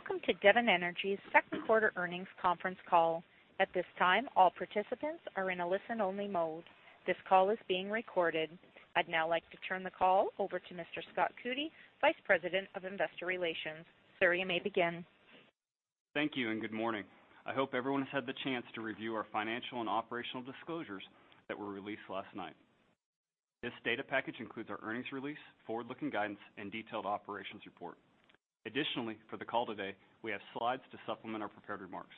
Welcome to Devon Energy's second quarter earnings conference call. At this time, all participants are in a listen-only mode. This call is being recorded. I'd now like to turn the call over to Mr. Scott Coody, Vice President of Investor Relations. Sir, you may begin. Thank you. Good morning. I hope everyone has had the chance to review our financial and operational disclosures that were released last night. This data package includes our earnings release, forward-looking guidance, and detailed operations report. Additionally, for the call today, we have slides to supplement our prepared remarks.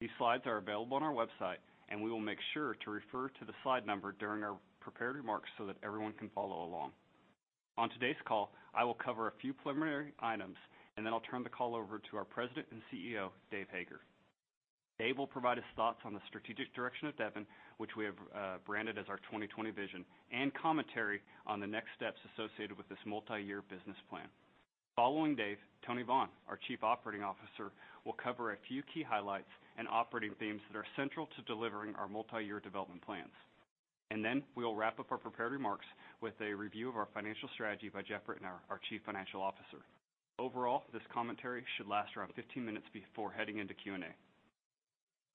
These slides are available on our website, and we will make sure to refer to the slide number during our prepared remarks so that everyone can follow along. On today's call, I will cover a few preliminary items. Then I'll turn the call over to our President and CEO, Dave Hager. Dave will provide his thoughts on the strategic direction of Devon, which we have branded as our 2020 Vision, and commentary on the next steps associated with this multi-year business plan. Following Dave, Tony Vaughn, our Chief Operating Officer, will cover a few key highlights and operating themes that are central to delivering our multi-year development plans. Then we will wrap up our prepared remarks with a review of our financial strategy by Jeff Ritenour, our Chief Financial Officer. Overall, this commentary should last around 15 minutes before heading into Q&A.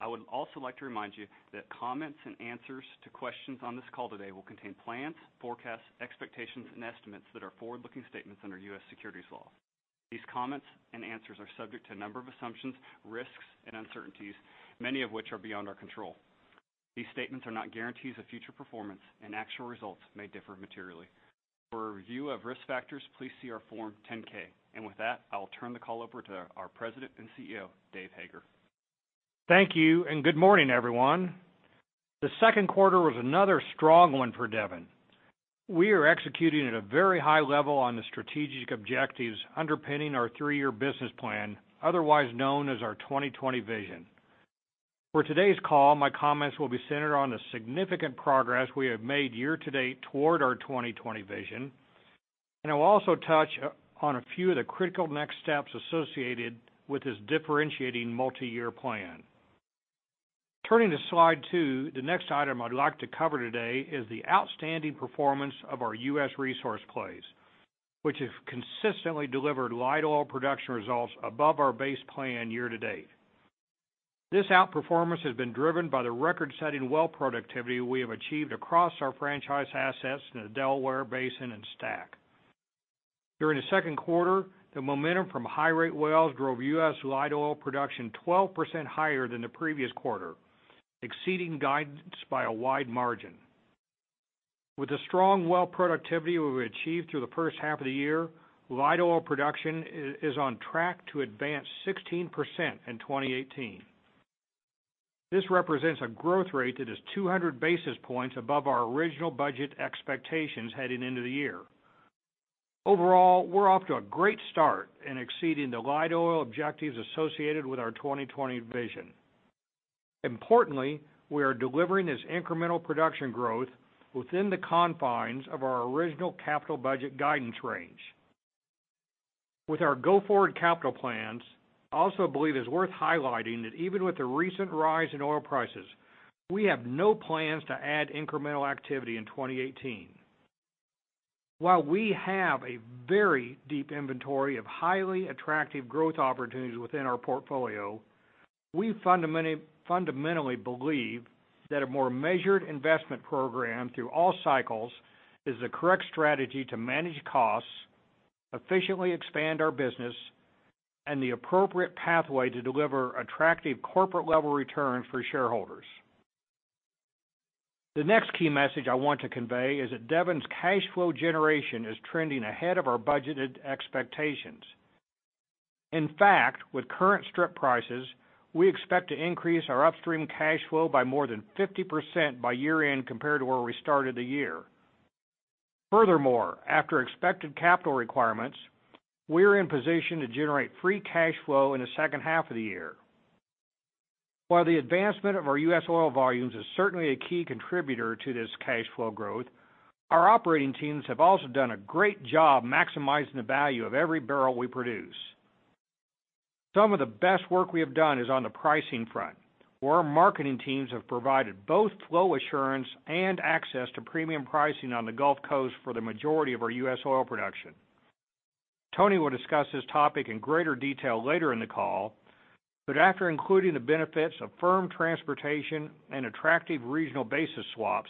I would also like to remind you that comments and answers to questions on this call today will contain plans, forecasts, expectations, and estimates that are forward-looking statements under U.S. securities laws. These comments and answers are subject to a number of assumptions, risks, and uncertainties, many of which are beyond our control. These statements are not guarantees of future performance, and actual results may differ materially. For a review of risk factors, please see our Form 10-K. With that, I will turn the call over to our President and CEO, Dave Hager. Thank you, good morning, everyone. The second quarter was another strong one for Devon. We are executing at a very high level on the strategic objectives underpinning our three-year business plan, otherwise known as our 2020 Vision. For today's call, my comments will be centered on the significant progress we have made year-to-date toward our 2020 Vision, I will also touch on a few of the critical next steps associated with this differentiating multi-year plan. Turning to Slide 2, the next item I'd like to cover today is the outstanding performance of our U.S. resource plays, which have consistently delivered light oil production results above our base plan year-to-date. This outperformance has been driven by the record-setting well productivity we have achieved across our franchise assets in the Delaware Basin and STACK. During the second quarter, the momentum from high rate wells drove U.S. light oil production 12% higher than the previous quarter, exceeding guidance by a wide margin. With the strong well productivity we've achieved through the first half of the year, light oil production is on track to advance 16% in 2018. This represents a growth rate that is 200 basis points above our original budget expectations heading into the year. Overall, we're off to a great start in exceeding the light oil objectives associated with our 2020 Vision. Importantly, we are delivering this incremental production growth within the confines of our original capital budget guidance range. With our go-forward capital plans, I also believe it's worth highlighting that even with the recent rise in oil prices, we have no plans to add incremental activity in 2018. While we have a very deep inventory of highly attractive growth opportunities within our portfolio, we fundamentally believe that a more measured investment program through all cycles is the correct strategy to manage costs, efficiently expand our business, and the appropriate pathway to deliver attractive corporate-level returns for shareholders. The next key message I want to convey is that Devon's cash flow generation is trending ahead of our budgeted expectations. In fact, with current strip prices, we expect to increase our upstream cash flow by more than 50% by year-end compared to where we started the year. Furthermore, after expected capital requirements, we are in position to generate free cash flow in the second half of the year. While the advancement of our U.S. oil volumes is certainly a key contributor to this cash flow growth, our operating teams have also done a great job maximizing the value of every barrel we produce. Some of the best work we have done is on the pricing front, where our marketing teams have provided both flow assurance and access to premium pricing on the Gulf Coast for the majority of our U.S. oil production. Tony will discuss this topic in greater detail later in the call, but after including the benefits of firm transportation and attractive regional basis swaps,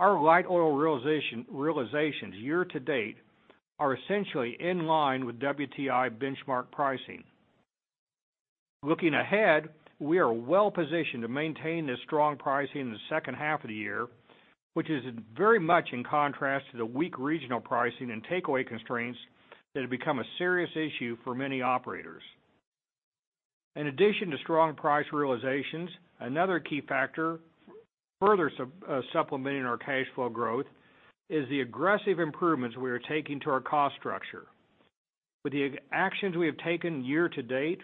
our light oil realizations year-to-date are essentially in line with WTI benchmark pricing. Looking ahead, we are well positioned to maintain this strong pricing in the second half of the year, which is very much in contrast to the weak regional pricing and takeaway constraints that have become a serious issue for many operators. In addition to strong price realizations, another key factor further supplementing our cash flow growth is the aggressive improvements we are taking to our cost structure. With the actions we have taken year-to-date,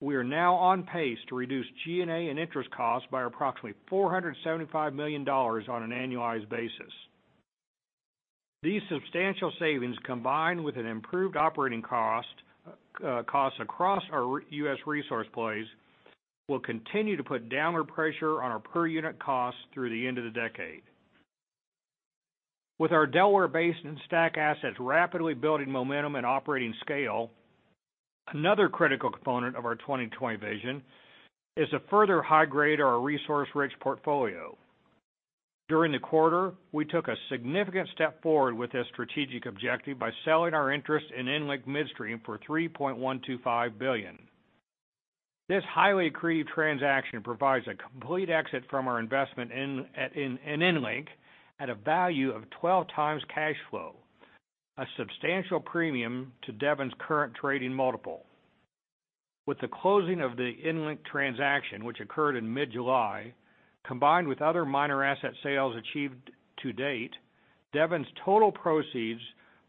we are now on pace to reduce G&A and interest costs by approximately $475 million on an annualized basis. These substantial savings, combined with an improved operating cost across our U.S. resource plays, will continue to put downward pressure on our per-unit costs through the end of the decade. With our Delaware Basin and STACK assets rapidly building momentum and operating scale, another critical component of our 2020 Vision is to further high-grade our resource-rich portfolio. During the quarter, we took a significant step forward with this strategic objective by selling our interest in EnLink Midstream for $3.125 billion. This highly accretive transaction provides a complete exit from our investment in EnLink at a value of 12 times cash flow, a substantial premium to Devon's current trading multiple. With the closing of the EnLink transaction, which occurred in mid-July, combined with other minor asset sales achieved to date, Devon's total proceeds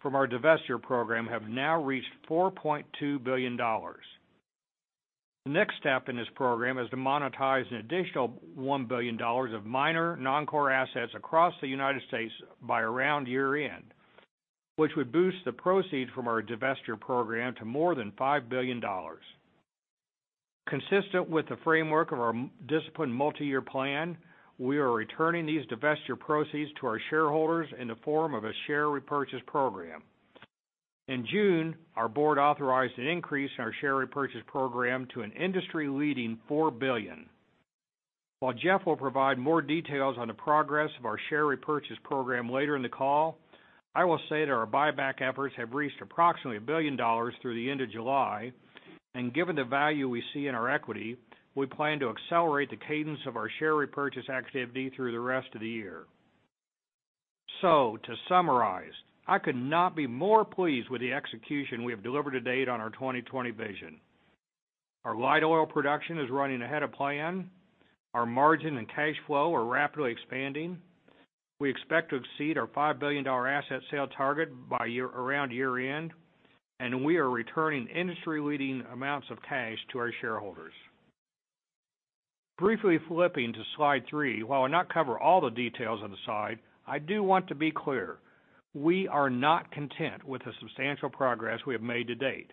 from our divestiture program have now reached $4.2 billion. The next step in this program is to monetize an additional $1 billion of minor non-core assets across the United States by around year-end, which would boost the proceeds from our divestiture program to more than $5 billion. Consistent with the framework of our disciplined multi-year plan, we are returning these divestiture proceeds to our shareholders in the form of a share repurchase program. In June, our board authorized an increase in our share repurchase program to an industry-leading $4 billion. While Jeff will provide more details on the progress of our share repurchase program later in the call, I will say that our buyback efforts have reached approximately $1 billion through the end of July, given the value we see in our equity, we plan to accelerate the cadence of our share repurchase activity through the rest of the year. To summarize, I could not be more pleased with the execution we have delivered to date on our 2020 Vision. Our light oil production is running ahead of plan. Our margin and cash flow are rapidly expanding. We expect to exceed our $5 billion asset sale target by around year-end, we are returning industry-leading amounts of cash to our shareholders. Briefly flipping to slide three, while I'll not cover all the details on the slide, I do want to be clear, we are not content with the substantial progress we have made to date.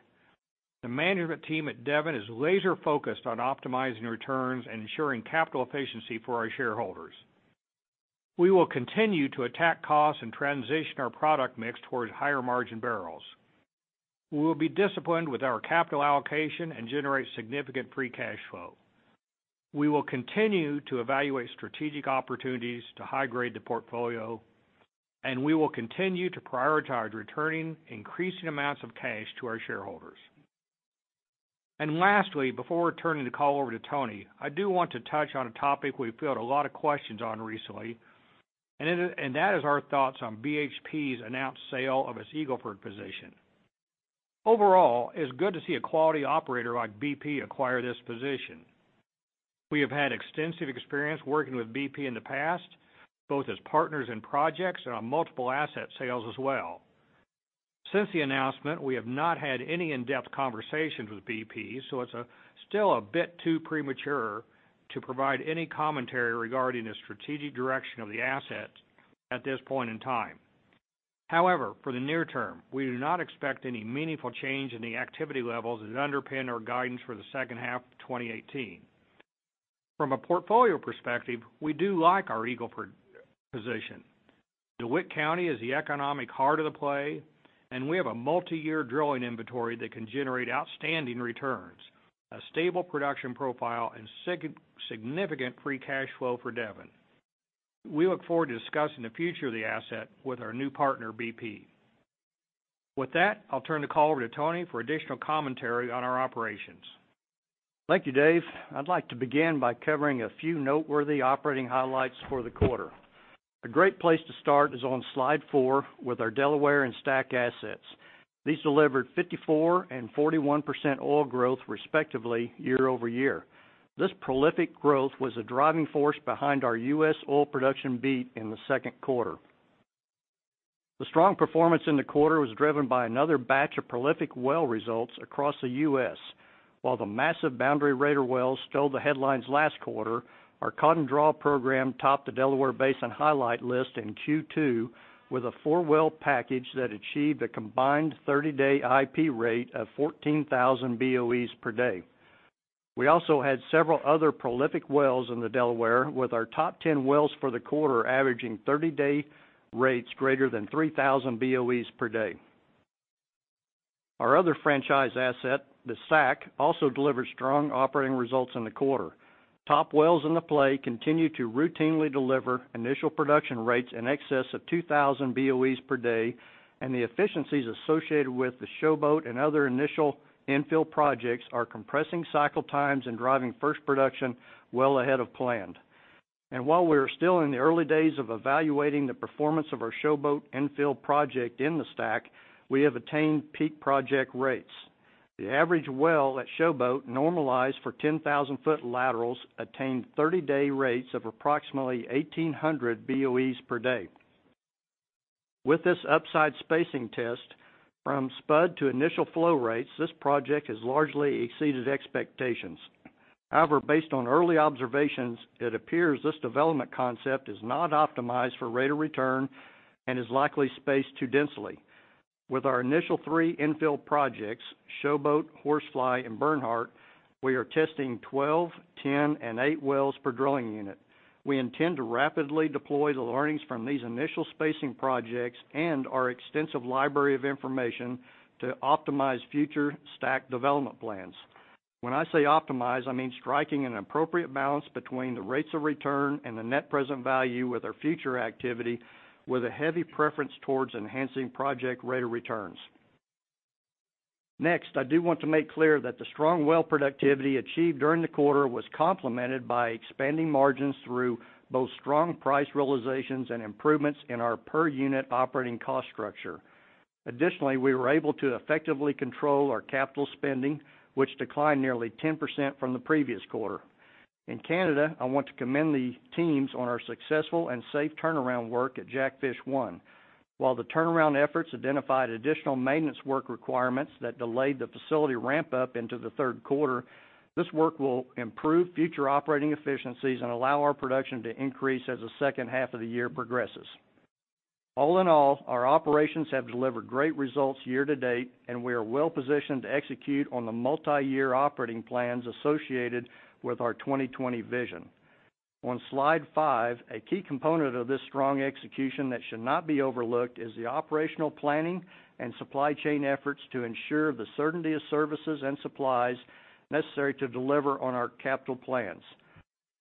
The management team at Devon is laser-focused on optimizing returns and ensuring capital efficiency for our shareholders. We will continue to attack costs and transition our product mix towards higher-margin barrels. We will be disciplined with our capital allocation and generate significant free cash flow. We will continue to evaluate strategic opportunities to high-grade the portfolio, we will continue to prioritize returning increasing amounts of cash to our shareholders. Lastly, before returning the call over to Tony, I do want to touch on a topic we've field a lot of questions on recently, that is our thoughts on BHP's announced sale of its Eagle Ford position. Overall, it's good to see a quality operator like BP acquire this position. We have had extensive experience working with BP in the past, both as partners in projects and on multiple asset sales as well. Since the announcement, we have not had any in-depth conversations with BP, so it's still a bit too premature to provide any commentary regarding the strategic direction of the assets at this point in time. However, for the near term, we do not expect any meaningful change in the activity levels that underpin our guidance for the second half of 2018. From a portfolio perspective, we do like our Eagle Ford position. DeWitt County is the economic heart of the play, and we have a multi-year drilling inventory that can generate outstanding returns, a stable production profile, and significant free cash flow for Devon. We look forward to discussing the future of the asset with our new partner, BP. With that, I'll turn the call over to Tony for additional commentary on our operations. Thank you, Dave. I'd like to begin by covering a few noteworthy operating highlights for the quarter. A great place to start is on slide four with our Delaware and STACK assets. These delivered 54% and 41% oil growth, respectively, year-over-year. This prolific growth was the driving force behind our U.S. oil production beat in the second quarter. The strong performance in the quarter was driven by another batch of prolific well results across the U.S. While the massive Boundary Raider wells stole the headlines last quarter, our Cotton Draw program topped the Delaware Basin highlight list in Q2 with a four-well package that achieved a combined 30-day IP rate of 14,000 BOEs per day. We also had several other prolific wells in the Delaware, with our top 10 wells for the quarter averaging 30-day rates greater than 3,000 BOEs per day. Our other franchise asset, the STACK, also delivered strong operating results in the quarter. Top wells in the play continue to routinely deliver initial production rates in excess of 2,000 BOEs per day, and the efficiencies associated with the Showboat and other initial infill projects are compressing cycle times and driving first production well ahead of plan. While we are still in the early days of evaluating the performance of our Showboat infill project in the STACK, we have attained peak project rates. The average well at Showboat normalized for 10,000-foot laterals attained 30-day rates of approximately 1,800 BOEs per day. With this upside spacing test from spud to initial flow rates, this project has largely exceeded expectations. However, based on early observations, it appears this development concept is not optimized for rate of return and is likely spaced too densely. With our initial three infill projects, Showboat, Horsefly, and Bernhardt, we are testing 12, 10, and eight wells per drilling unit. We intend to rapidly deploy the learnings from these initial spacing projects and our extensive library of information to optimize future STACK development plans. When I say optimize, I mean striking an appropriate balance between the rates of return and the net present value with our future activity, with a heavy preference towards enhancing project rate of returns. Next, I do want to make clear that the strong well productivity achieved during the quarter was complemented by expanding margins through both strong price realizations and improvements in our per-unit operating cost structure. Additionally, we were able to effectively control our capital spending, which declined nearly 10% from the previous quarter. In Canada, I want to commend the teams on our successful and safe turnaround work at Jackfish 1. While the turnaround efforts identified additional maintenance work requirements that delayed the facility ramp-up into the third quarter, this work will improve future operating efficiencies and allow our production to increase as the second half of the year progresses. All in all, our operations have delivered great results year to date, and we are well-positioned to execute on the multi-year operating plans associated with our 2020 Vision. On slide five, a key component of this strong execution that should not be overlooked is the operational planning and supply chain efforts to ensure the certainty of services and supplies necessary to deliver on our capital plans.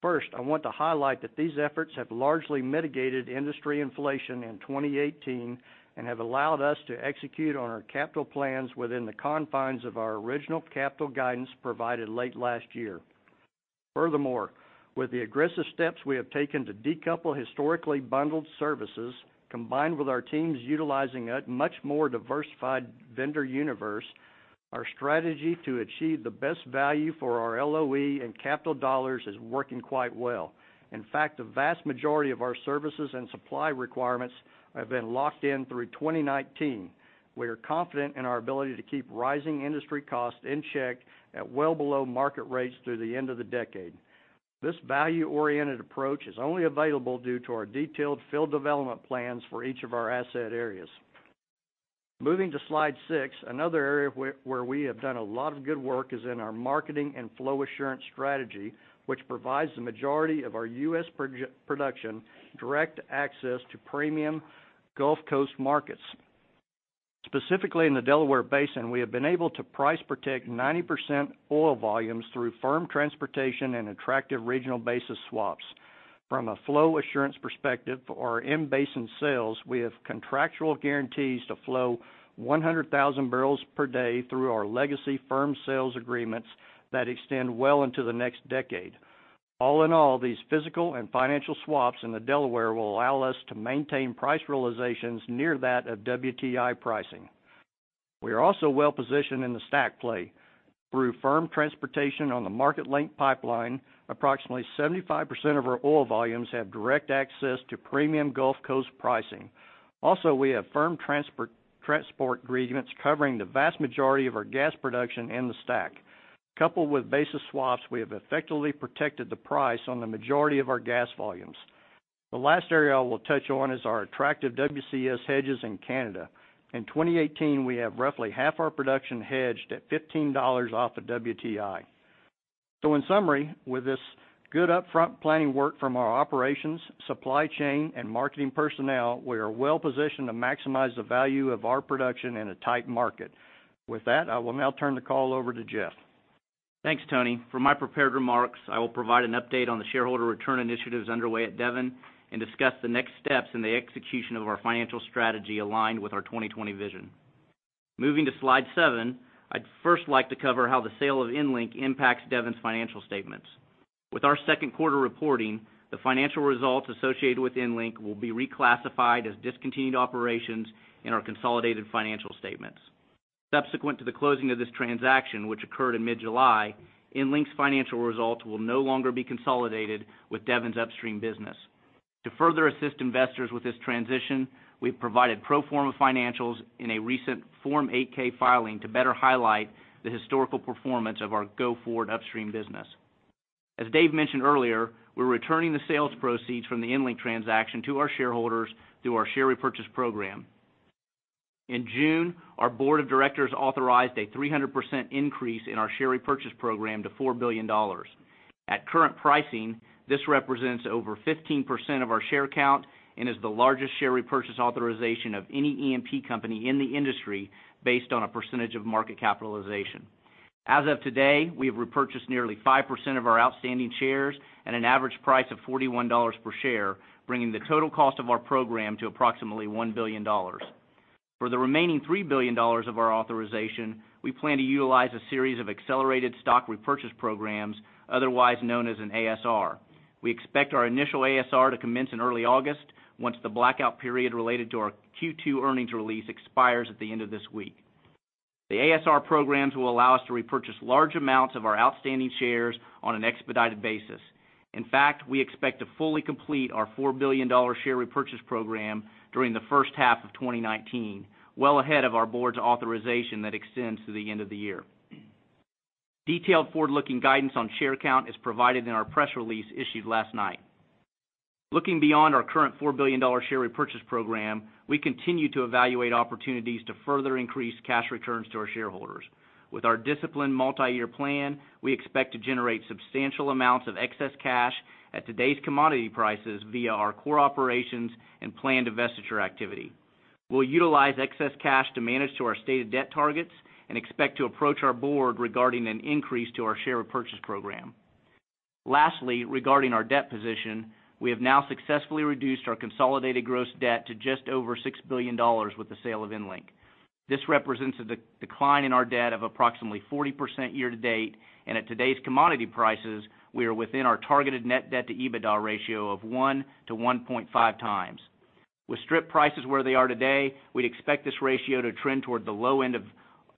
First, I want to highlight that these efforts have largely mitigated industry inflation in 2018 and have allowed us to execute on our capital plans within the confines of our original capital guidance provided late last year. With the aggressive steps we have taken to decouple historically bundled services, combined with our teams utilizing a much more diversified vendor universe, our strategy to achieve the best value for our LOE and capital dollars is working quite well. In fact, the vast majority of our services and supply requirements have been locked in through 2019. We are confident in our ability to keep rising industry costs in check at well below market rates through the end of the decade. This value-oriented approach is only available due to our detailed field development plans for each of our asset areas. Moving to slide six, another area where we have done a lot of good work is in our marketing and flow assurance strategy, which provides the majority of our U.S. production direct access to premium Gulf Coast markets. Specifically in the Delaware Basin, we have been able to price-protect 90% oil volumes through firm transportation and attractive regional basis swaps. From a flow assurance perspective for our in-basin sales, we have contractual guarantees to flow 100,000 barrels per day through our legacy firm sales agreements that extend well into the next decade. All in all, these physical and financial swaps in the Delaware will allow us to maintain price realizations near that of WTI pricing. We are also well-positioned in the STACK play. Through firm transportation on the Marketlink Pipeline, approximately 75% of our oil volumes have direct access to premium Gulf Coast pricing. Also, we have firm transport agreements covering the vast majority of our gas production in the STACK. Coupled with basis swaps, we have effectively protected the price on the majority of our gas volumes. The last area I will touch on is our attractive WCS hedges in Canada. In 2018, we have roughly half our production hedged at $15 off of WTI. In summary, with this good upfront planning work from our operations, supply chain, and marketing personnel, we are well-positioned to maximize the value of our production in a tight market. With that, I will now turn the call over to Jeff. Thanks, Tony. For my prepared remarks, I will provide an update on the shareholder return initiatives underway at Devon and discuss the next steps in the execution of our financial strategy aligned with our 2020 Vision. Moving to slide seven, I'd first like to cover how the sale of EnLink impacts Devon's financial statements. With our second quarter reporting, the financial results associated with EnLink will be reclassified as discontinued operations in our consolidated financial statements. Subsequent to the closing of this transaction, which occurred in mid-July, EnLink's financial results will no longer be consolidated with Devon's upstream business. To further assist investors with this transition, we've provided pro forma financials in a recent Form 8-K filing to better highlight the historical performance of our go-forward upstream business. As Dave mentioned earlier, we're returning the sales proceeds from the EnLink transaction to our shareholders through our share repurchase program. In June, our board of directors authorized a 300% increase in our share repurchase program to $4 billion. At current pricing, this represents over 15% of our share count and is the largest share repurchase authorization of any E&P company in the industry based on a percentage of market capitalization. As of today, we have repurchased nearly 5% of our outstanding shares at an average price of $41 per share, bringing the total cost of our program to approximately $1 billion. For the remaining $3 billion of our authorization, we plan to utilize a series of accelerated stock repurchase programs, otherwise known as an ASR. We expect our initial ASR to commence in early August, once the blackout period related to our Q2 earnings release expires at the end of this week. The ASR programs will allow us to repurchase large amounts of our outstanding shares on an expedited basis. In fact, we expect to fully complete our $4 billion share repurchase program during the first half of 2019, well ahead of our board's authorization that extends to the end of the year. Detailed forward-looking guidance on share count is provided in our press release issued last night. Looking beyond our current $4 billion share repurchase program, we continue to evaluate opportunities to further increase cash returns to our shareholders. With our disciplined multi-year plan, we expect to generate substantial amounts of excess cash at today's commodity prices via our core operations and planned divestiture activity. We'll utilize excess cash to manage to our stated debt targets and expect to approach our board regarding an increase to our share repurchase program. Lastly, regarding our debt position, we have now successfully reduced our consolidated gross debt to just over $6 billion with the sale of EnLink. This represents a decline in our debt of approximately 40% year-to-date. At today's commodity prices, we are within our targeted net debt to EBITDA ratio of 1 to 1.5 times. With strip prices where they are today, we'd expect this ratio to trend toward the low end of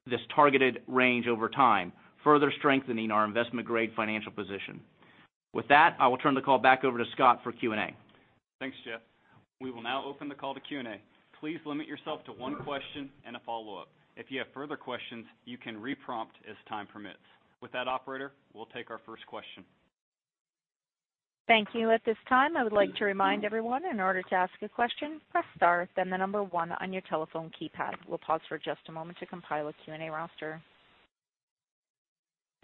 this targeted range over time, further strengthening our investment-grade financial position. With that, I will turn the call back over to Scott for Q&A. Thanks, Jeff. We will now open the call to Q&A. Please limit yourself to one question and a follow-up. If you have further questions, you can re-prompt as time permits. With that, operator, we'll take our first question. Thank you. At this time, I would like to remind everyone, in order to ask a question, press star, then the number one on your telephone keypad. We'll pause for just a moment to compile a Q&A roster.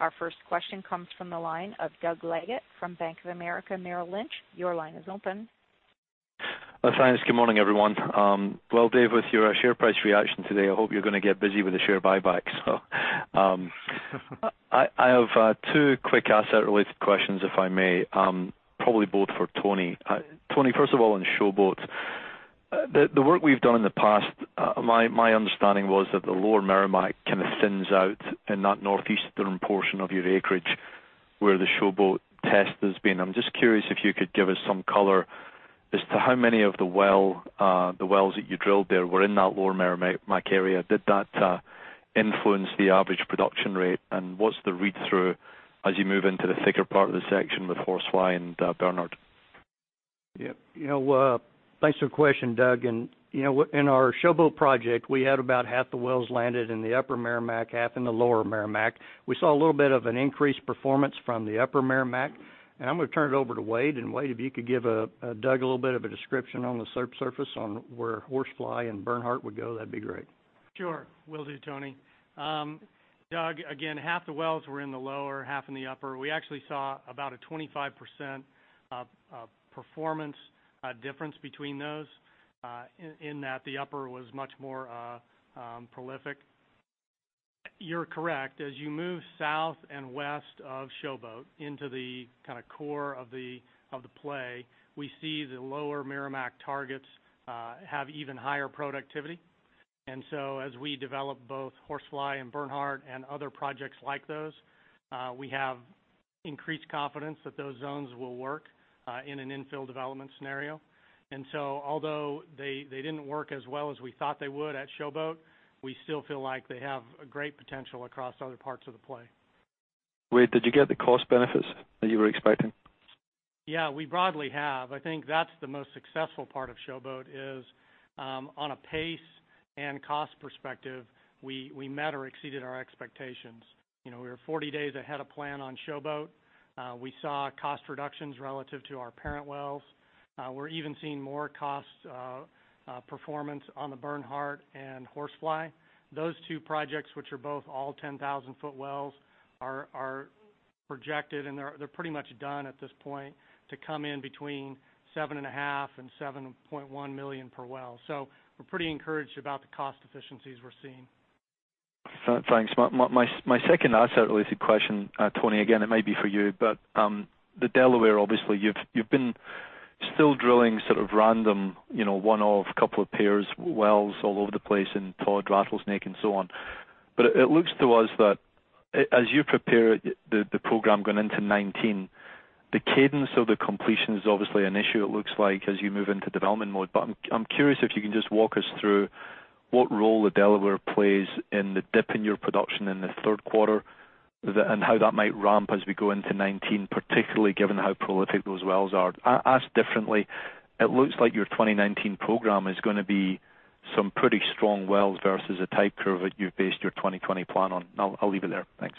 Our first question comes from the line of Doug Leggate from Bank of America Merrill Lynch. Your line is open. Thanks. Good morning, everyone. Well, Dave, with your share price reaction today, I hope you're going to get busy with the share buyback. I have two quick asset-related questions, if I may. Probably both for Tony. Tony, first of all, on Showboat. The work we've done in the past, my understanding was that the Lower Meramec kind of thins out in that northeastern portion of your acreage where the Showboat test has been. I'm just curious if you could give us some color as to how many of the wells that you drilled there were in that Lower Meramec area. Did that influence the average production rate? What's the read-through as you move into the thicker part of the section with Horsefly and Bernhardt? Yep. Thanks for the question, Doug. In our Showboat project, we had about half the wells landed in the Upper Meramec, half in the Lower Meramec. We saw a little bit of an increased performance from the Upper Meramec, and I'm going to turn it over to Wade, and Wade, if you could give Doug a little bit of a description on the surface on where Horsefly and Bernhardt would go, that'd be great. Sure. Will do, Tony. Doug, again, half the wells were in the lower, half in the upper. We actually saw about a 25% performance difference between those, in that the upper was much more prolific. You're correct. As you move south and west of Showboat into the core of the play, we see the Lower Meramec targets have even higher productivity. As we develop both Horsefly and Bernhardt and other projects like those, we have increased confidence that those zones will work in an infill development scenario. Although they didn't work as well as we thought they would at Showboat, we still feel like they have a great potential across other parts of the play. Wade, did you get the cost benefits that you were expecting? Yeah, we broadly have. I think that's the most successful part of Showboat is, on a pace and cost perspective, we met or exceeded our expectations. We were 40 days ahead of plan on Showboat. We saw cost reductions relative to our parent wells. We're even seeing more cost performance on the Bernhardt and Horsefly. Those two projects, which are both all 10,000-foot wells, are projected, and they're pretty much done at this point, to come in between $7.5 million and $7.1 million per well. We're pretty encouraged about the cost efficiencies we're seeing. Thanks. My second asset-related question, Tony, again, it may be for you, but the Delaware Basin, obviously, you've been still drilling sort of random one-off couple of pairs of wells all over the place in Todd, Rattlesnake, and so on. It looks to us that as you prepare the program going into 2019, the cadence of the completion is obviously an issue it looks like as you move into development mode. I'm curious if you can just walk us through what role the Delaware Basin plays in the dip in your production in the third quarter and how that might ramp as we go into 2019, particularly given how prolific those wells are. Asked differently, it looks like your 2019 program is going to be some pretty strong wells versus a type curve that you've based your 2020 plan on. I'll leave it there. Thanks.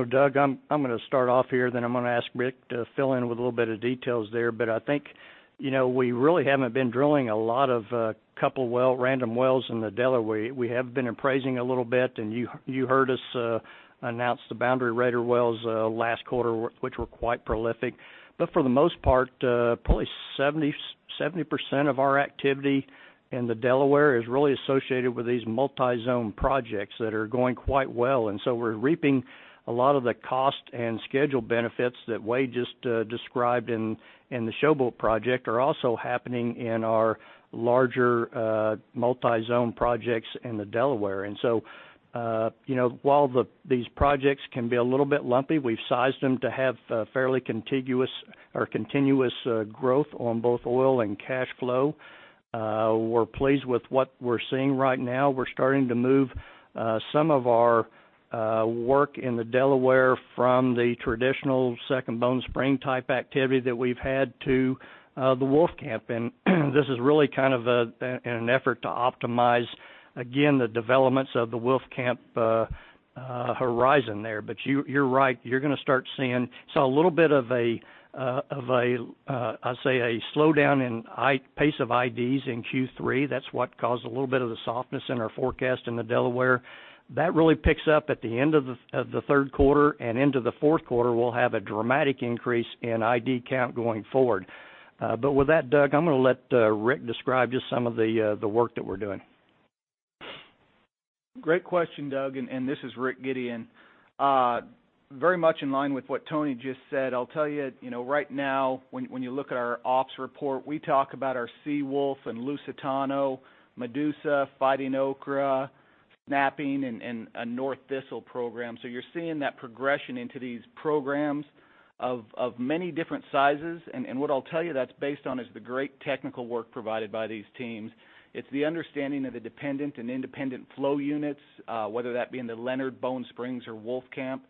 Doug, I'm going to start off here, then I'm going to ask Rick to fill in with a little bit of details there. I think we really haven't been drilling a lot of couple random wells in the Delaware Basin. We have been appraising a little bit, and you heard us announce the Boundary Raider wells last quarter, which were quite prolific. For the most part, probably 70% of our activity in the Delaware Basin is really associated with these multi-zone projects that are going quite well. We're reaping a lot of the cost and schedule benefits that Wade just described in the Showboat project are also happening in our larger multi-zone projects in the Delaware Basin. While these projects can be a little bit lumpy, we've sized them to have fairly contiguous or continuous growth on both oil and cash flow. We're pleased with what we're seeing right now. We're starting to move some of our work in the Delaware Basin from the traditional Second Bone Spring type activity that we've had to the Wolfcamp, and this is really kind of an effort to optimize the developments of the Wolfcamp horizon there. You're right, you're going to start seeing a little bit of a slowdown in pace of IDs in Q3. That's what caused a little bit of the softness in our forecast in the Delaware Basin. That really picks up at the end of the third quarter, and into the fourth quarter, we'll have a dramatic increase in ID count going forward. With that, Doug, I'm going to let Rick describe just some of the work that we're doing. Great question, Doug, and this is Rick Gideon. Very much in line with what Tony just said. I'll tell you, right now, when you look at our ops report, we talk about our Seawolf and Lusitano, Medusa, Fighting Okra, Snapping, and North Thistle program. You're seeing that progression into these programs of many different sizes. What I'll tell you that's based on is the great technical work provided by these teams. It's the understanding of the dependent and independent flow units, whether that be in the Leonard Bone Springs or Wolfcamp.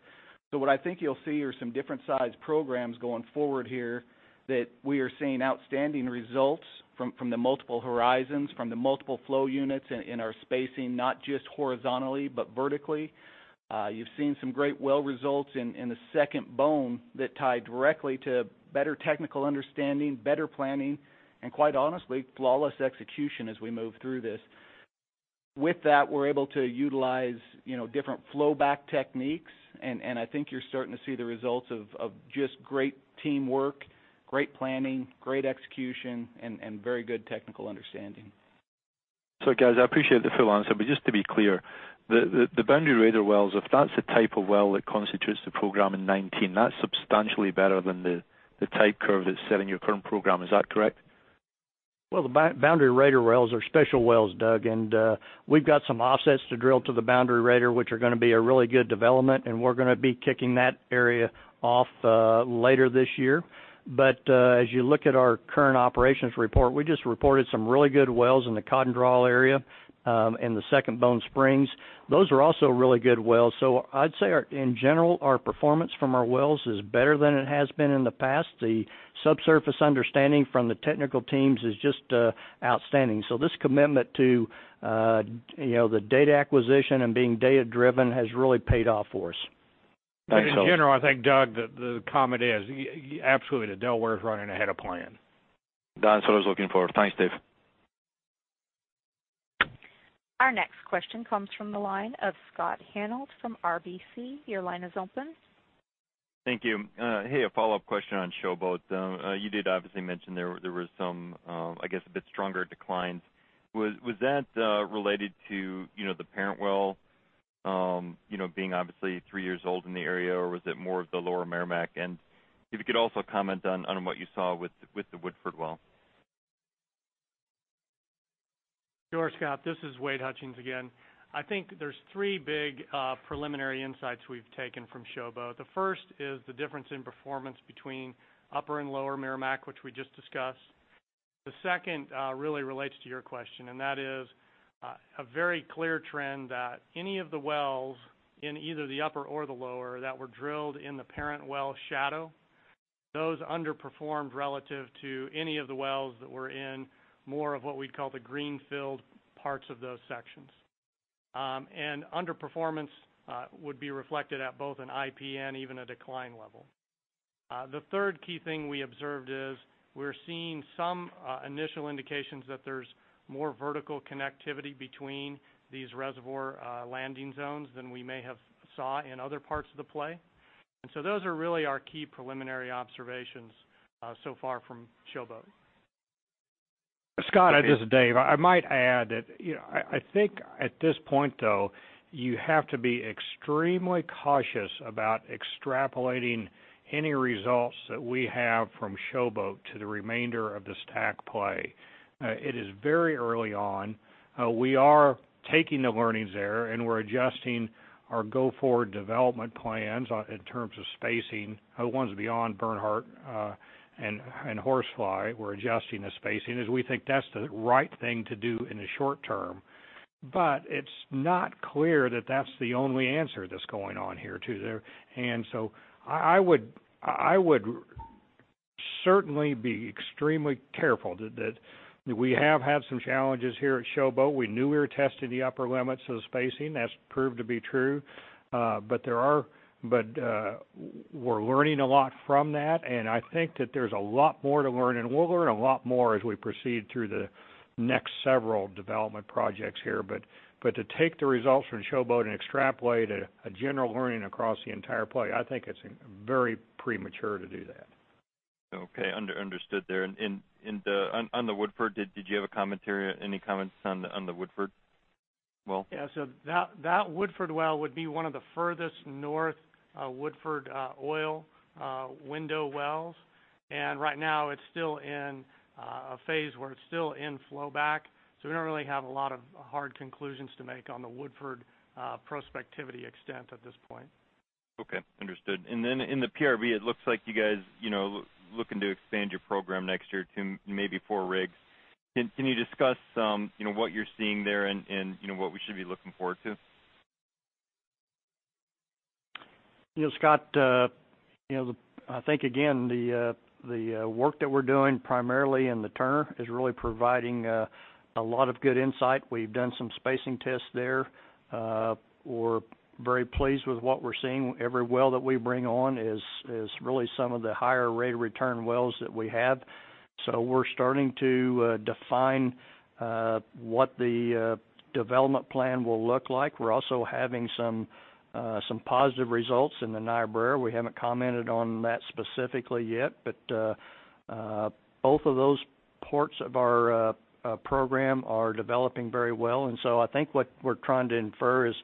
What I think you'll see are some different size programs going forward here that we are seeing outstanding results from the multiple horizons, from the multiple flow units, and in our spacing, not just horizontally but vertically. You've seen some great well results in the Second Bone Spring that tie directly to better technical understanding, better planning, and quite honestly, flawless execution as we move through this. With that, we're able to utilize different flow back techniques, and I think you're starting to see the results of just great teamwork, great planning, great execution, and very good technical understanding. Guys, I appreciate the full answer, but just to be clear, the Boundary Raider wells, if that's the type of well that constitutes the program in 2019, that's substantially better than the type curve that's set in your current program. Is that correct? Well, the Boundary Raider wells are special wells, Doug, and we've got some offsets to drill to the Boundary Raider, which are going to be a really good development, and we're going to be kicking that area off later this year. As you look at our current operations report, we just reported some really good wells in the Cotton Draw area, in the Second Bone Spring. Those are also really good wells. I'd say in general, our performance from our wells is better than it has been in the past. The subsurface understanding from the technical teams is just outstanding. This commitment to the data acquisition and being data-driven has really paid off for us. Thanks. In general, I think, Doug, the comment is absolutely the Delaware's running ahead of plan. That's what I was looking for. Thanks, Dave. Our next question comes from the line of Scott Hanold from RBC. Your line is open. Thank you. Hey, a follow-up question on Showboat. You did obviously mention there was some, I guess, a bit stronger declines. Was that related to the parent well being obviously three years old in the area, or was it more of the Lower Meramec? If you could also comment on what you saw with the Woodford well. Sure, Scott. This is Wade Hutchings again. I think there's three big preliminary insights we've taken from Showboat. The first is the difference in performance between Upper and Lower Meramec, which we just discussed. The second really relates to your question, and that is a very clear trend that any of the wells in either the upper or the lower that were drilled in the parent well's shadow, those underperformed relative to any of the wells that were in more of what we'd call the green field parts of those sections. Underperformance would be reflected at both an IP and even a decline level. The third key thing we observed is we're seeing some initial indications that there's more vertical connectivity between these reservoir landing zones than we may have saw in other parts of the play. Those are really our key preliminary observations so far from Showboat. Scott, this is Dave. I might add that I think at this point, though, you have to be extremely cautious about extrapolating any results that we have from Showboat to the remainder of the STACK play. It is very early on. We are taking the learnings there, and we're adjusting our go-forward development plans in terms of spacing. The ones beyond Bernhardt and Horsefly, we're adjusting the spacing, as we think that's the right thing to do in the short term. It's not clear that that's the only answer that's going on here. I would certainly be extremely careful that we have had some challenges here at Showboat. We knew we were testing the upper limits of the spacing, that's proved to be true. We're learning a lot from that, and I think that there's a lot more to learn, and we'll learn a lot more as we proceed through the next several development projects here. To take the results from Showboat and extrapolate a general learning across the entire play, I think it's very premature to do that. Okay. Understood there. On the Woodford, did you have any comments on the Woodford well? Yeah. That Woodford well would be one of the furthest north Woodford oil window wells. Right now it's still in a phase where it's still in flow back. We don't really have a lot of hard conclusions to make on the Woodford prospectivity extent at this point. Okay. Understood. Then in the PRB, it looks like you guys looking to expand your program next year to maybe 4 rigs. Can you discuss what you're seeing there and what we should be looking forward to? Scott, I think again, the work that we're doing primarily in the Turner is really providing a lot of good insight. We've done some spacing tests there. We're very pleased with what we're seeing. Every well that we bring on is really some of the higher rate of return wells that we have. We're starting to define what the development plan will look like. We're also having some positive results in the Niobrara. We haven't commented on that specifically yet, but both of those parts of our program are developing very well. I think what we're trying to infer is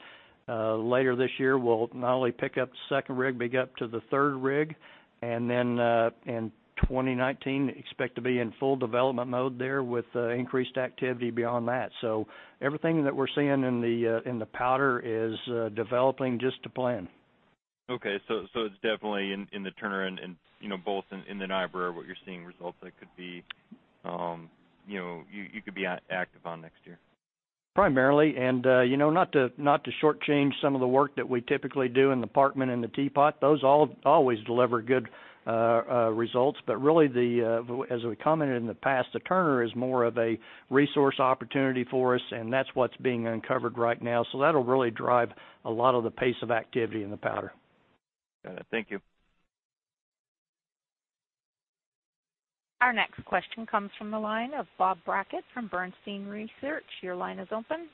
later this year, we'll not only pick up the second rig, but get up to the third rig, then in 2019, expect to be in full development mode there with increased activity beyond that. Everything that we're seeing in the Powder is developing just to plan. Okay. It's definitely in the Turner and both in the Niobrara what you're seeing results that you could be active on next year. Primarily, not to shortchange some of the work that we typically do in the Parkman and the Teapot, those always deliver good results. Really, as we commented in the past, the Turner is more of a resource opportunity for us, and that's what's being uncovered right now. That'll really drive a lot of the pace of activity in the Powder. Got it. Thank you. Our next question comes from the line of Bob Brackett from Bernstein Research. Your line is open.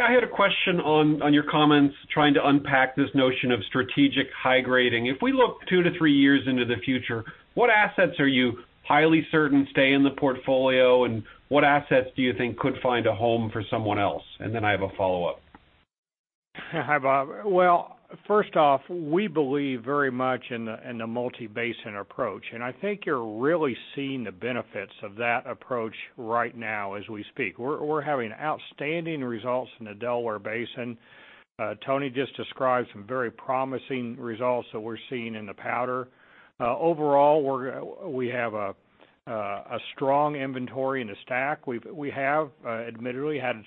I had a question on your comments trying to unpack this notion of strategic high grading. If we look two to three years into the future, what assets are you highly certain stay in the portfolio, and what assets do you think could find a home for someone else? I have a follow-up. Hi, Bob. Well, first off, we believe very much in the multi-basin approach, and I think you're really seeing the benefits of that approach right now as we speak. We're having outstanding results in the Delaware Basin. Tony just described some very promising results that we're seeing in the Powder. Overall, we have a strong inventory in the STACK. We have admittedly had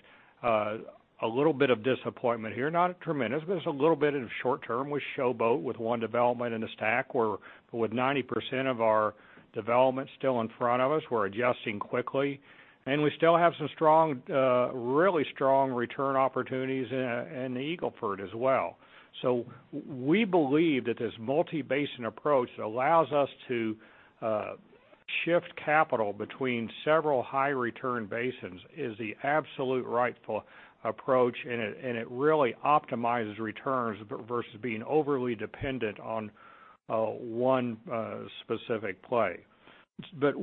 a little bit of disappointment here, not tremendous, but it's a little bit in short term. We Showboat with one development in the STACK. With 90% of our development still in front of us, we're adjusting quickly, and we still have some really strong return opportunities in the Eagle Ford as well. We believe that this multi-basin approach that allows us to shift capital between several high return basins is the absolute rightful approach, and it really optimizes returns versus being overly dependent on one specific play.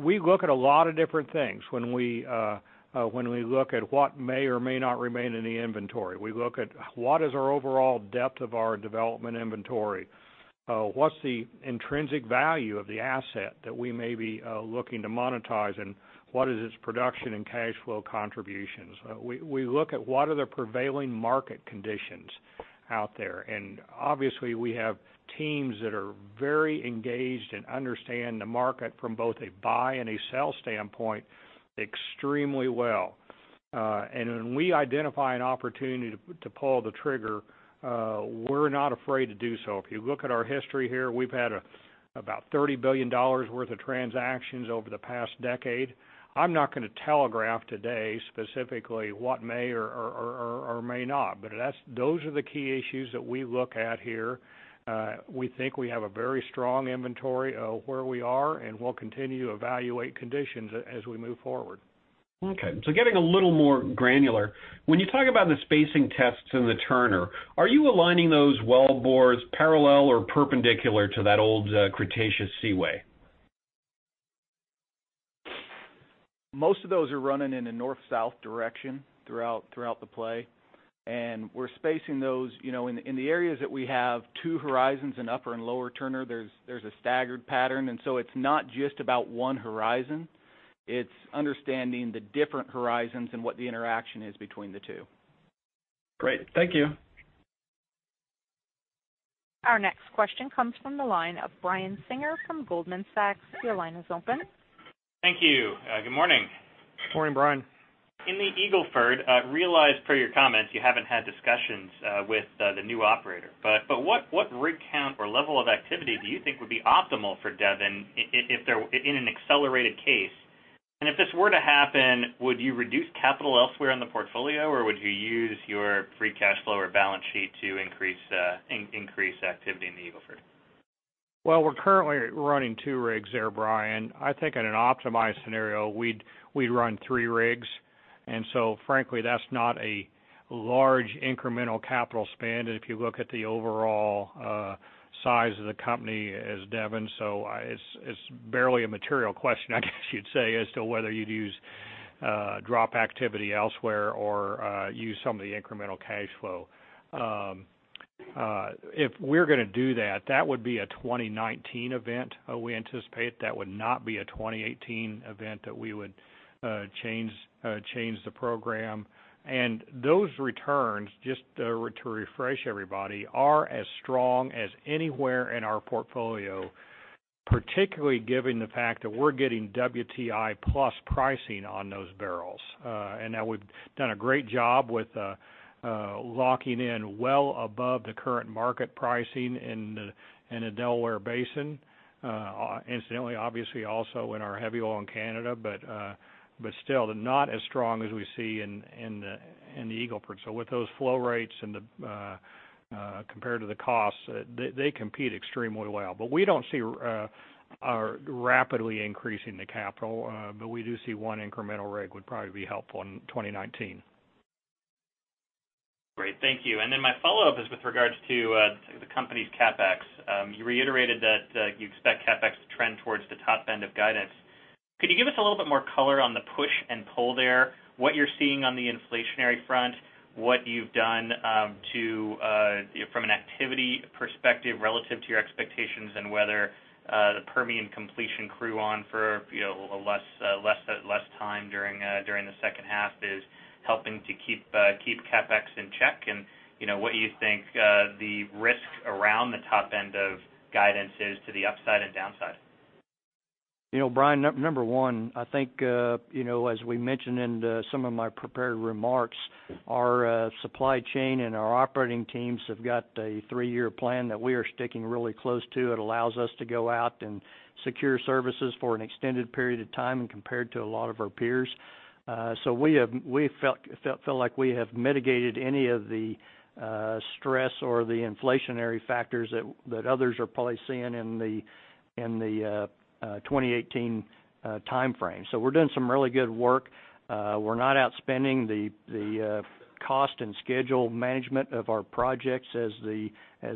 We look at a lot of different things when we look at what may or may not remain in the inventory. We look at what is our overall depth of our development inventory, what's the intrinsic value of the asset that we may be looking to monetize, and what is its production and cash flow contributions. We look at what are the prevailing market conditions out there. Obviously, we have teams that are very engaged and understand the market from both a buy and a sell standpoint extremely well. When we identify an opportunity to pull the trigger, we're not afraid to do so. If you look at our history here, we've had about $30 billion worth of transactions over the past decade. I'm not going to telegraph today specifically what may or may not, but those are the key issues that we look at here. We think we have a very strong inventory of where we are, and we'll continue to evaluate conditions as we move forward. Okay. Getting a little more granular. When you talk about the spacing tests in the Turner, are you aligning those well bores parallel or perpendicular to that old Cretaceous Seaway? Most of those are running in a north-south direction throughout the play, and we're spacing those. In the areas that we have two horizons in upper and lower Turner, there's a staggered pattern. It's not just about one horizon. It's understanding the different horizons and what the interaction is between the two. Great. Thank you. Our next question comes from the line of Brian Singer from Goldman Sachs. Your line is open. Thank you. Good morning. Morning, Brian. In the Eagle Ford, I realize per your comments, you haven't had discussions with the new operator. What rig count or level of activity do you think would be optimal for Devon in an accelerated case? If this were to happen, would you reduce capital elsewhere in the portfolio, or would you use your free cash flow or balance sheet to increase activity in the Eagle Ford? Well, we're currently running two rigs there, Brian. I think in an optimized scenario, we'd run three rigs, frankly, that's not a large incremental capital spend if you look at the overall size of the company as Devon. It's barely a material question, I guess you'd say, as to whether you'd use drop activity elsewhere or use some of the incremental cash flow. If we're going to do that would be a 2019 event. We anticipate that would not be a 2018 event that we would change the program. Those returns, just to refresh everybody, are as strong as anywhere in our portfolio. Particularly given the fact that we're getting WTI plus pricing on those barrels. That we've done a great job with locking in well above the current market pricing in the Delaware Basin. Incidentally, obviously also in our heavy oil in Canada, but still not as strong as we see in the Eagle Ford. With those flow rates compared to the costs, they compete extremely well. We don't see rapidly increasing the capital, but we do see one incremental rig would probably be helpful in 2019. Great. Thank you. My follow-up is with regards to the company's CapEx. You reiterated that you expect CapEx to trend towards the top end of guidance. Could you give us a little bit more color on the push and pull there? What you're seeing on the inflationary front, what you've done from an activity perspective relative to your expectations, and whether the Permian completion crew on for less time during the second half is helping to keep CapEx in check? What you think the risk around the top end of guidance is to the upside and downside? Brian, number one, I think as we mentioned in some of my prepared remarks, our supply chain and our operating teams have got a three-year plan that we are sticking really close to. It allows us to go out and secure services for an extended period of time and compared to a lot of our peers. We feel like we have mitigated any of the stress or the inflationary factors that others are probably seeing in the 2018 timeframe. We're doing some really good work. We're not outspending the cost and schedule management of our projects, as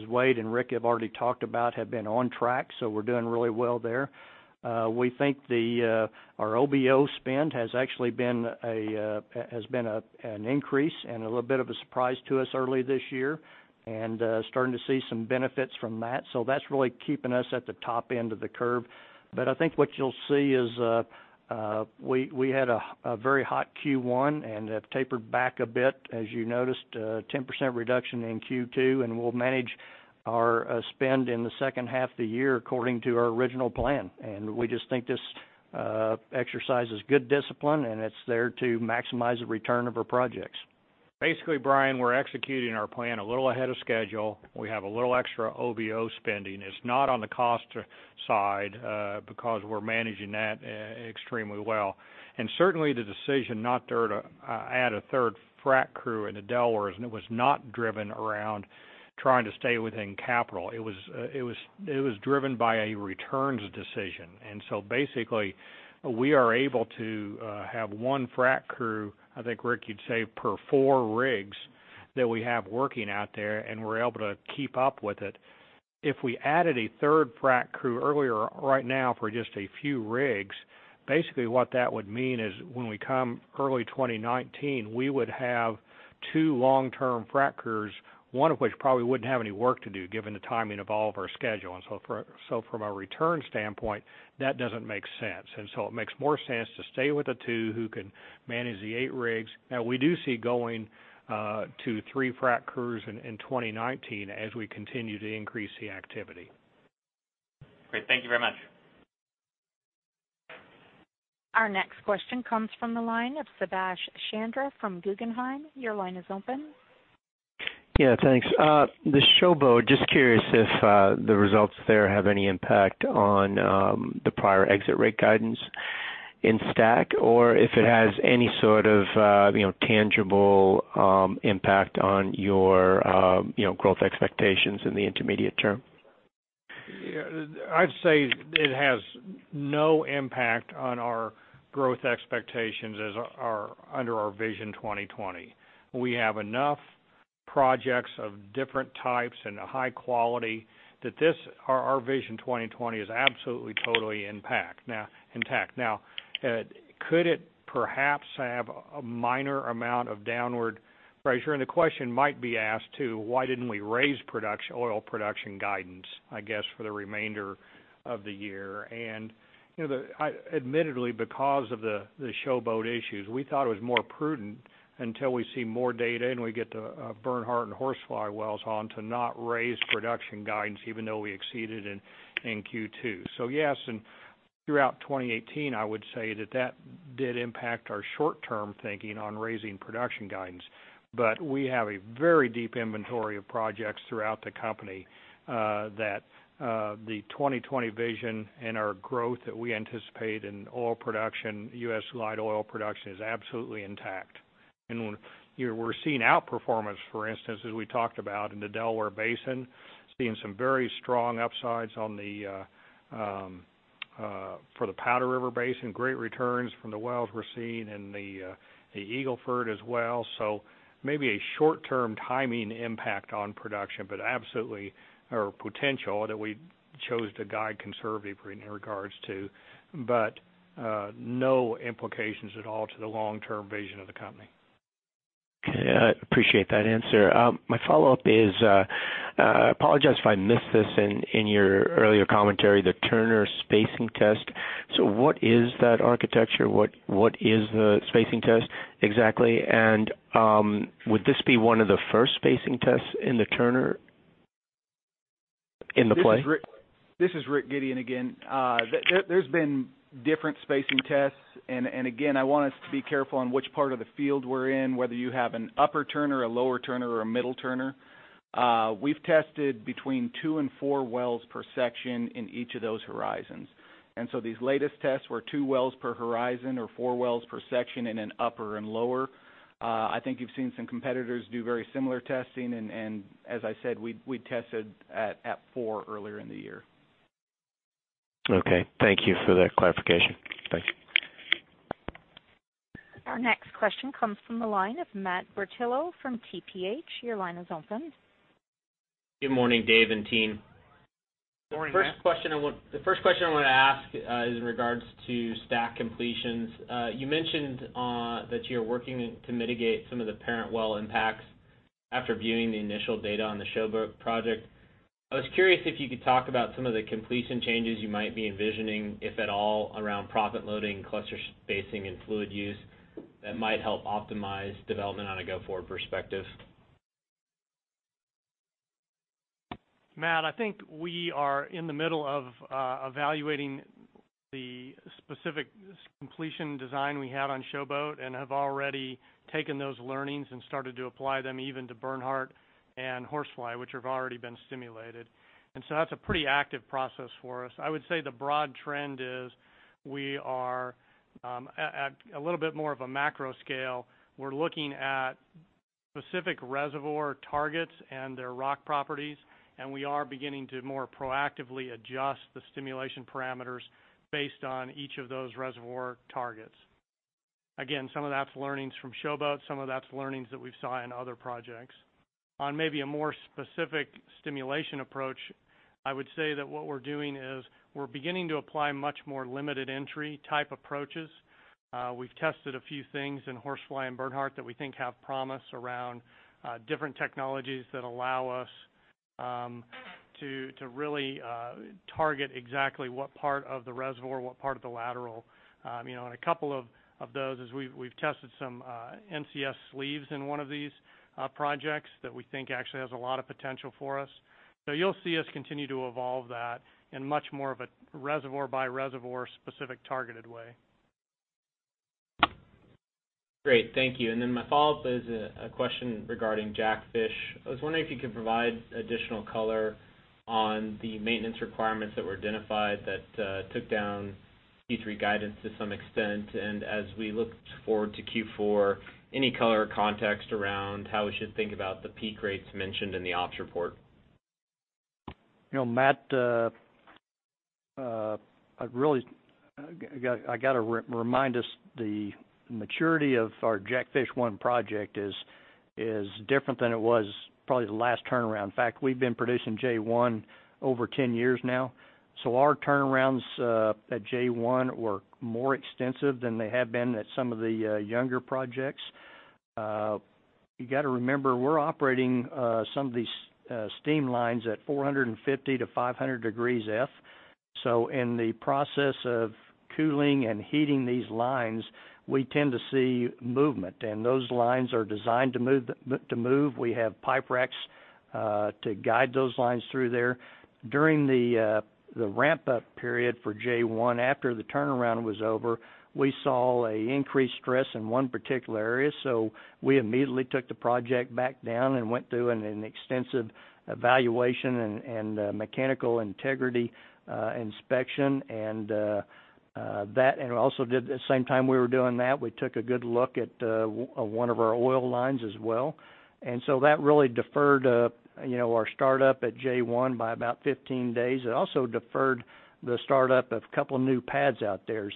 Wade and Rick have already talked about, have been on track, so we're doing really well there. We think our OBO spend has actually been an increase and a little bit of a surprise to us early this year, and starting to see some benefits from that. That's really keeping us at the top end of the curve. I think what you'll see is we had a very hot Q1 and have tapered back a bit, as you noticed, a 10% reduction in Q2, and we'll manage our spend in the second half of the year according to our original plan. We just think this exercise is good discipline, and it's there to maximize the return of our projects. Basically, Brian, we're executing our plan a little ahead of schedule. We have a little extra OBO spending. It's not on the cost side, because we're managing that extremely well. The decision not to add a third frac crew in the Delaware was not driven around trying to stay within capital. It was driven by a returns decision. Basically, we are able to have one frac crew, I think, Rick, you'd say per four rigs that we have working out there, and we're able to keep up with it. If we added a third frac crew earlier, right now for just a few rigs, basically what that would mean is when we come early 2019, we would have two long-term frac crews, one of which probably wouldn't have any work to do given the timing of all of our schedule. From a return standpoint, that doesn't make sense. It makes more sense to stay with the two who can manage the eight rigs. Now, we do see going to three frac crews in 2019 as we continue to increase the activity. Great. Thank you very much. Our next question comes from the line of Subash Chandra from Guggenheim. Your line is open. Yeah, thanks. The Showboat, just curious if the results there have any impact on the prior exit rate guidance in STACK, or if it has any sort of tangible impact on your growth expectations in the intermediate term? I'd say it has no impact on our growth expectations under our Vision 2020. We have enough projects of different types and a high quality that our Vision 2020 is absolutely, totally intact. Could it perhaps have a minor amount of downward pressure? The question might be asked, too, why didn't we raise oil production guidance, I guess, for the remainder of the year? Admittedly, because of the Showboat issues, we thought it was more prudent, until we see more data and we get the Bernhardt and Horsefly wells on, to not raise production guidance even though we exceeded in Q2. Yes, throughout 2018, I would say that that did impact our short-term thinking on raising production guidance. We have a very deep inventory of projects throughout the company that the 2020 Vision and our growth that we anticipate in oil production, U.S. light oil production, is absolutely intact. We're seeing outperformance, for instance, as we talked about in the Delaware Basin, seeing some very strong upsides for the Powder River Basin, great returns from the wells we're seeing in the Eagle Ford as well. Maybe a short-term timing impact on production, but absolutely our potential that we chose to guide conservative in regards to, but no implications at all to the long-term vision of the company. Okay. I appreciate that answer. My follow-up is, I apologize if I missed this in your earlier commentary, the Turner spacing test. What is that architecture? What is the spacing test exactly? Would this be one of the first spacing tests in the Turner in the play? This is Rick Gideon again. There's been different spacing tests. Again, I want us to be careful on which part of the field we're in, whether you have an upper Turner, a lower Turner, or a middle Turner. We've tested between two and four wells per section in each of those horizons. These latest tests were two wells per horizon or four wells per section in an upper and lower. I think you've seen some competitors do very similar testing, and as I said, we tested at four earlier in the year. Okay. Thank you for that clarification. Thank you. Our next question comes from the line of Matt Portillo from TPH. Your line is open. Good morning, Dave and team. Morning, Matt. The first question I want to ask is in regards to STACK completions. You mentioned that you're working to mitigate some of the parent well impacts after viewing the initial data on the Showboat project. I was curious if you could talk about some of the completion changes you might be envisioning, if at all, around proppant loading, cluster spacing, and fluid use that might help optimize development on a go-forward perspective. Matt, I think we are in the middle of evaluating the specific completion design we had on Showboat, and have already taken those learnings and started to apply them even to Bernhardt and Horsefly, which have already been stimulated. That's a pretty active process for us. I would say the broad trend is we are at a little bit more of a macro scale. We're looking at specific reservoir targets and their rock properties, and we are beginning to more proactively adjust the stimulation parameters based on each of those reservoir targets. Again, some of that's learnings from Showboat, some of that's learnings that we saw in other projects. On maybe a more specific stimulation approach, I would say that what we're doing is we're beginning to apply much more limited entry type approaches. We've tested a few things in Horsefly and Bernhardt that we think have promise around different technologies that allow us to really target exactly what part of the reservoir, what part of the lateral. In a couple of those, is we've tested some NCS sleeves in one of these projects that we think actually has a lot of potential for us. You'll see us continue to evolve that in much more of a reservoir-by-reservoir specific targeted way. Great. Thank you. My follow-up is a question regarding Jackfish. I was wondering if you could provide additional color on the maintenance requirements that were identified that took down Q3 guidance to some extent. As we look forward to Q4, any color or context around how we should think about the peak rates mentioned in the ops report? Matt, I got to remind us, the maturity of our Jackfish-1 project is different than it was probably the last turnaround. In fact, we've been producing J1 over 10 years now. Our turnarounds at J1 were more extensive than they have been at some of the younger projects. You got to remember, we're operating some of these steam lines at 450 to 500 degrees F. In the process of cooling and heating these lines, we tend to see movement, and those lines are designed to move. We have pipe racks to guide those lines through there. During the ramp-up period for J1, after the turnaround was over, we saw an increased stress in one particular area. We immediately took the project back down and went through an extensive evaluation and mechanical integrity inspection. At the same time we were doing that, we took a good look at one of our oil lines as well. That really deferred our startup at J1 by about 15 days. It also deferred the startup of a couple of new pads out there.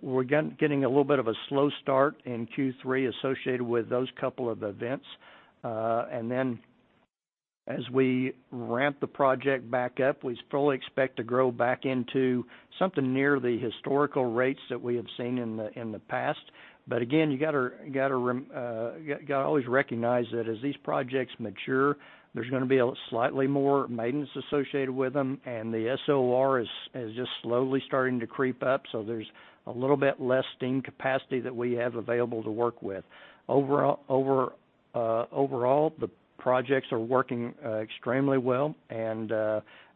We're getting a little bit of a slow start in Q3 associated with those couple of events. As we ramp the project back up, we fully expect to grow back into something near the historical rates that we have seen in the past. Again, you got to always recognize that as these projects mature, there's going to be slightly more maintenance associated with them. The SOR is just slowly starting to creep up, so there's a little bit less steam capacity that we have available to work with. Overall, the projects are working extremely well.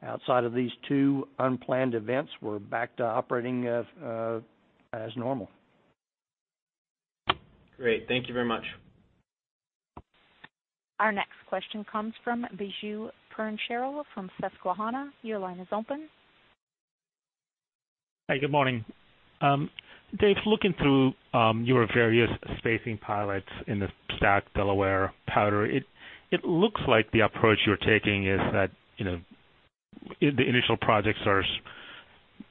Outside of these two unplanned events, we're back to operating as normal. Great. Thank you very much. Our next question comes from Biju Punnachalil from Susquehanna. Your line is open. Hi. Good morning. Dave, looking through your various spacing pilots in the STACK Delaware Powder, it looks like the approach you're taking is that the initial projects are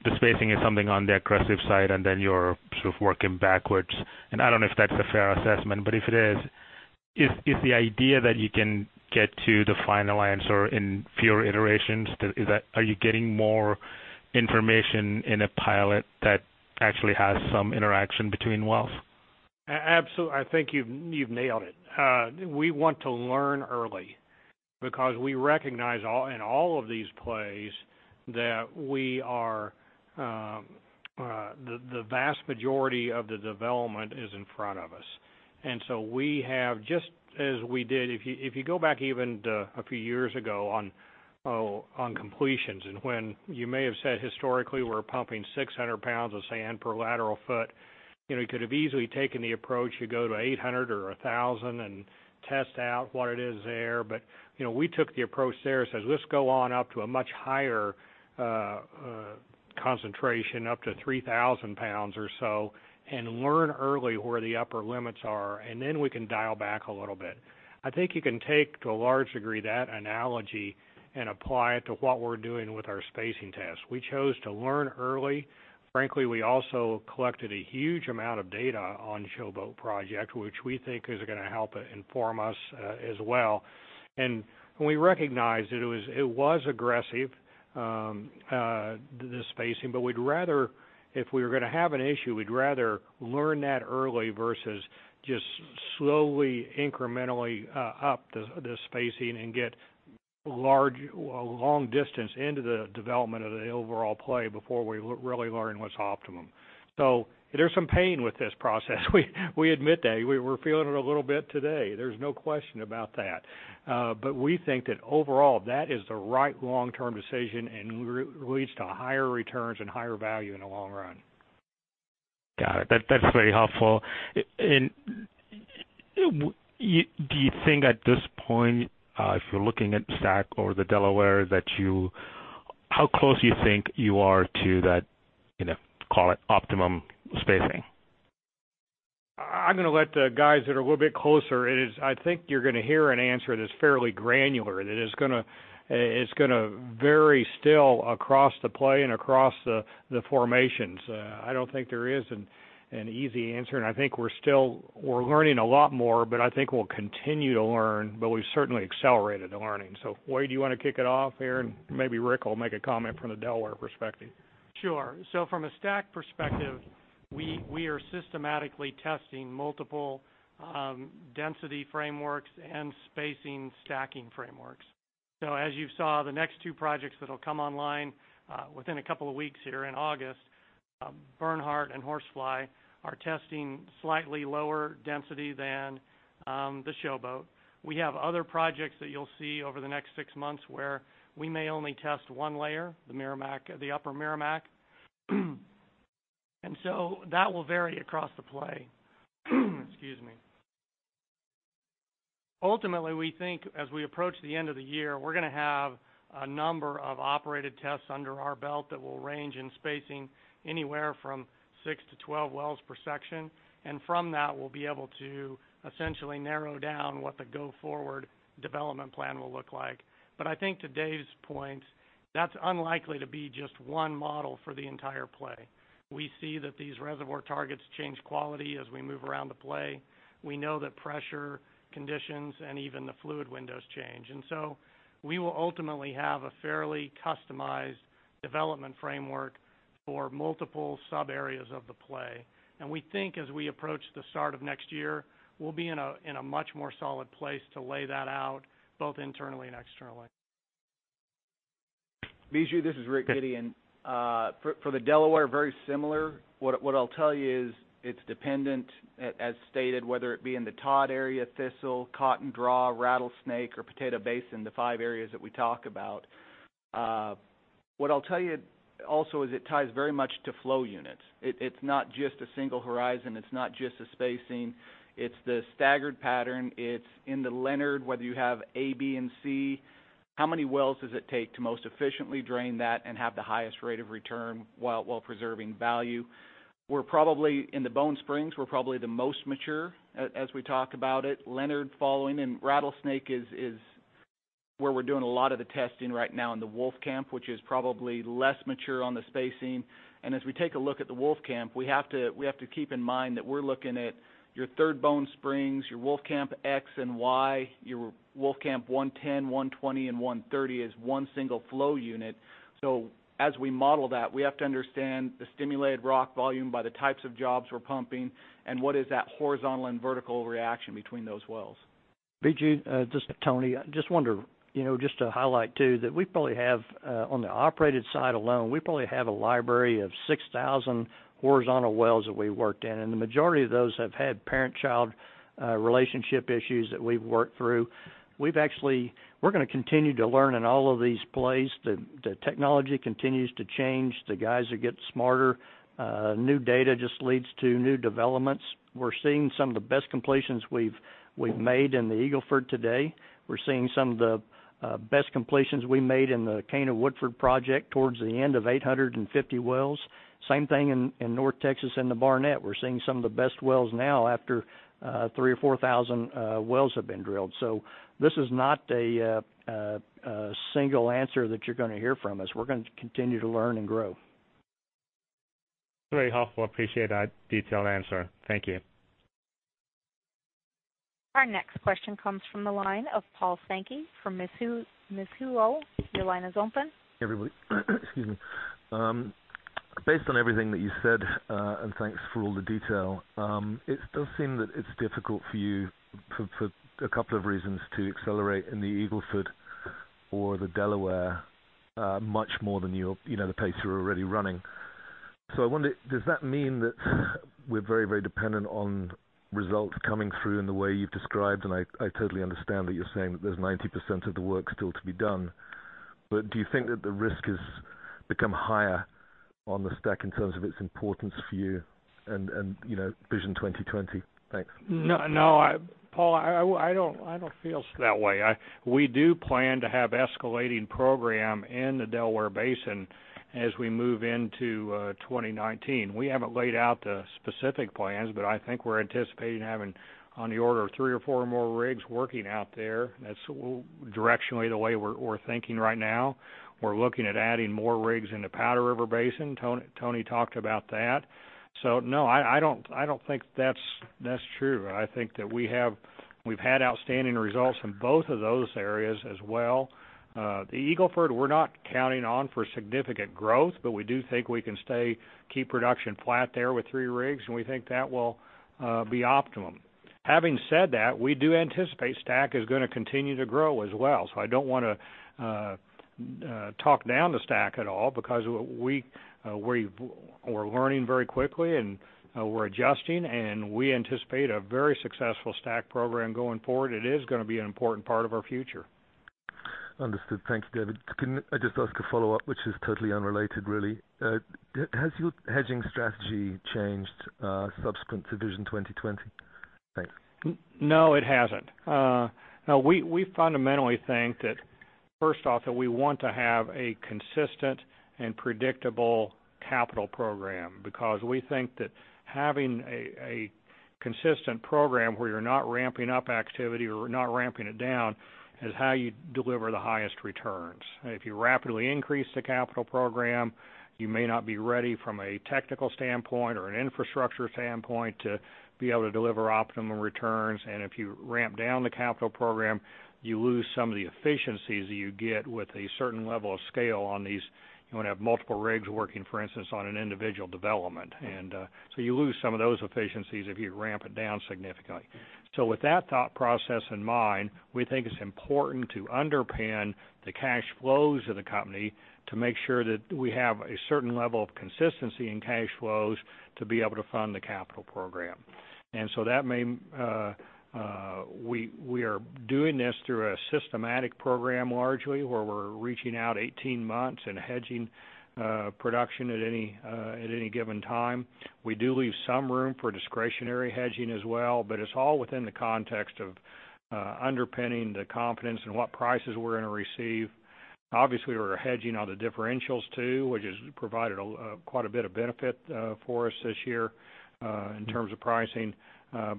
the spacing is something on the aggressive side, and then you're sort of working backwards. I don't know if that's a fair assessment, but if it is the idea that you can get to the final answer in fewer iterations? Are you getting more information in a pilot that actually has some interaction between wells? Absolutely. I think you've nailed it. We want to learn early because we recognize in all of these plays that the vast majority of the development is in front of us. We have, just as we did, if you go back even to a few years ago on completions, and when you may have said historically, we're pumping 600 pounds of sand per lateral foot. We could have easily taken the approach to go to 800 or 1,000 and test out what it is there. We took the approach there, says let's go on up to a much higher concentration, up to 3,000 pounds or so, and learn early where the upper limits are, we can dial back a little bit. I think you can take, to a large degree, that analogy and apply it to what we're doing with our spacing tests. We chose to learn early. Frankly, we also collected a huge amount of data on Showboat project, which we think is going to help inform us as well. We recognized that it was aggressive, the spacing, but if we were going to have an issue, we'd rather learn that early versus just slowly, incrementally up the spacing and get a long distance into the development of the overall play before we really learn what's optimum. There's some pain with this process. We admit that. We're feeling it a little bit today. There's no question about that. We think that overall, that is the right long-term decision and leads to higher returns and higher value in the long run. Got it. That's very helpful. Do you think at this point, if you're looking at STACK or the Delaware, how close you think you are to that, call it, optimum spacing? I'm going to let the guys that are a little bit closer. I think you're going to hear an answer that's fairly granular, that it's going to vary still across the play and across the formations. I don't think there is an easy answer. I think we're learning a lot more, but I think we'll continue to learn, but we've certainly accelerated the learning. Wade, do you want to kick it off here? Maybe Rick will make a comment from the Delaware perspective. Sure. From a STACK perspective, we are systematically testing multiple density frameworks and spacing stacking frameworks. As you saw, the next two projects that'll come online within a couple of weeks here in August, Bernhardt and Horsefly, are testing slightly lower density than the Showboat. We have other projects that you'll see over the next six months where we may only test one layer, the Upper Meramec. That will vary across the play. Excuse me. Ultimately, we think as we approach the end of the year, we're going to have a number of operated tests under our belt that will range in spacing anywhere from six to 12 wells per section. From that, we'll be able to essentially narrow down what the go-forward development plan will look like. I think to Dave's point, that's unlikely to be just one model for the entire play. We see that these reservoir targets change quality as we move around the play. We know that pressure conditions and even the fluid windows change, we will ultimately have a fairly customized development framework for multiple sub areas of the play. We think as we approach the start of next year, we'll be in a much more solid place to lay that out, both internally and externally. Biju, this is Rick Gideon. For the Delaware, very similar. What I'll tell you is it's dependent, as stated, whether it be in the Todd area, Thistle, Cotton Draw, Rattlesnake, or Potato Basin, the five areas that we talk about. What I'll tell you also is it ties very much to flow units. It's not just a single horizon, it's not just a spacing. It's the staggered pattern. It's in the Leonard, whether you have A, B, and C. How many wells does it take to most efficiently drain that and have the highest rate of return while preserving value? In the Bone Springs, we're probably the most mature, as we talk about it, Leonard following. Rattlesnake is where we're doing a lot of the testing right now in the Wolfcamp, which is probably less mature on the spacing. As we take a look at the Wolfcamp, we have to keep in mind that we're looking at your third Bone Springs, your Wolfcamp X and Y, your Wolfcamp 110, 120, and 130 as one single flow unit. As we model that, we have to understand the stimulated rock volume by the types of jobs we're pumping and what is that horizontal and vertical reaction between those wells. Biju, this is Tony. On the operated side alone, we probably have a library of 6,000 horizontal wells that we worked in, and the majority of those have had parent-child relationship issues that we've worked through. We're going to continue to learn in all of these plays. The technology continues to change. The guys are getting smarter. New data just leads to new developments. We're seeing some of the best completions we've made in the Eagle Ford today. We're seeing some of the best completions we made in the Cana-Woodford project towards the end of 850 wells. Same thing in North Texas and the Barnett. We're seeing some of the best wells now after 3,000 or 4,000 wells have been drilled. This is not a single answer that you're going to hear from us. We're going to continue to learn and grow. Very helpful. Appreciate that detailed answer. Thank you. Our next question comes from the line of Paul Sankey from Mizuho. Your line is open. Everybody excuse me. Based on everything that you said, thanks for all the detail, it does seem that it's difficult for you, for a couple of reasons, to accelerate in the Eagle Ford or the Delaware, much more than the pace you're already running. I wonder, does that mean that we're very dependent on results coming through in the way you've described? I totally understand that you're saying that there's 90% of the work still to be done, do you think that the risk has become higher on the STACK in terms of its importance for you and Vision 2020? Thanks. No, Paul, I don't feel that way. We do plan to have escalating program in the Delaware Basin as we move into 2019. We haven't laid out the specific plans, I think we're anticipating having on the order of three or four more rigs working out there. That's directionally the way we're thinking right now. We're looking at adding more rigs in the Powder River Basin. Tony talked about that. No, I don't think that's true. I think that we've had outstanding results in both of those areas as well. The Eagle Ford, we're not counting on for significant growth, but we do think we can stay, keep production flat there with three rigs, and we think that will be optimum. Having said that, we do anticipate STACK is going to continue to grow as well. I don't want to talk down the STACK at all, because we're learning very quickly, and we're adjusting, and we anticipate a very successful STACK program going forward. It is going to be an important part of our future. Understood. Thank you, David. Can I just ask a follow-up, which is totally unrelated, really? Has your hedging strategy changed subsequent to Vision 2020? Thanks. No, it hasn't. No, we fundamentally think that first off, that we want to have a consistent and predictable capital program because we think that having a consistent program where you're not ramping up activity or not ramping it down is how you deliver the highest returns. If you rapidly increase the capital program, you may not be ready from a technical standpoint or an infrastructure standpoint to be able to deliver optimum returns. If you ramp down the capital program, you lose some of the efficiencies that you get with a certain level of scale on these. You want to have multiple rigs working, for instance, on an individual development. You lose some of those efficiencies if you ramp it down significantly. With that thought process in mind, we think it's important to underpin the cash flows of the company to make sure that we have a certain level of consistency in cash flows to be able to fund the capital program. We are doing this through a systematic program largely where we're reaching out 18 months and hedging production at any given time. We do leave some room for discretionary hedging as well, but it's all within the context of underpinning the confidence in what prices we're going to receive. Obviously, we're hedging on the differentials too, which has provided quite a bit of benefit for us this year in terms of pricing.